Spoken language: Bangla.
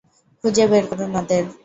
খুঁজে বের করুন ওদের!